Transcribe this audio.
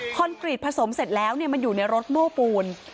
กรีตผสมเสร็จแล้วมันอยู่ในรถโม้ปูน